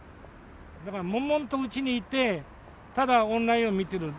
だからもんもんとうちにいて、ただオンラインを見てる。